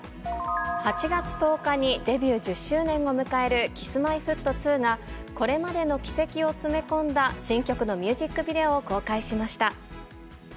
８月１０日にデビュー１０周年を迎えるＫｉｓ−Ｍｙ−Ｆｔ２が、これまでの軌跡を詰め込んだ新曲のミュージックビデオを公開しました。